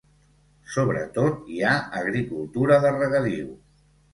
Sobretot hi ha agricultura de regadiu.